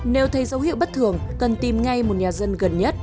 nếu thấy dấu hiệu bất thường cần tìm ngay một nhà dân gần nhất